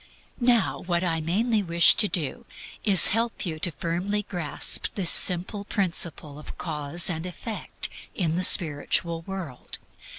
Now what I mainly wish to do is to help you firmly to grasp this simple principle of Cause and Effect in the spiritual world.